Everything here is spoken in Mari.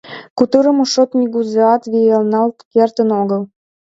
Кутырымо шот нигузеат вийналт кертын огыл.